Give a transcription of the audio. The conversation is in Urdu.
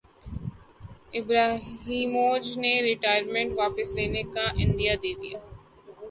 ابراہیمووچ نے ریٹائرمنٹ واپس لینے کا عندیہ دیدیا